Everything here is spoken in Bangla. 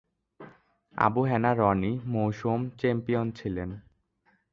আবু হেনা রনি মৌসুম চ্যাম্পিয়ন ছিলেন।